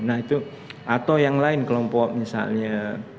nah itu atau yang lain kelompok misalnya